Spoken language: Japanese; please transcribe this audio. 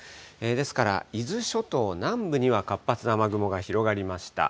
ですから、伊豆諸島南部には活発な雨雲が広がりました。